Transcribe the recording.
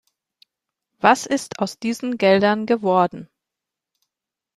Was ist aus diesen Geldern geworden?